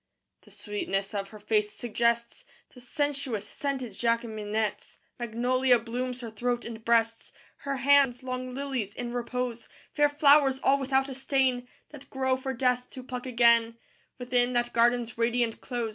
II The sweetness of her face suggests The sensuous scented Jacqueminots; Magnolia blooms her throat and breasts; Her hands, long lilies in repose: Fair flowers all without a stain, That grow for Death to pluck again, Within that garden's radiant close.